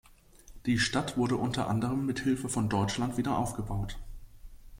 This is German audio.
Die Stadt wurde unter anderem mit Hilfe von Deutschland wieder aufgebaut.